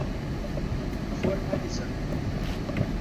formalizando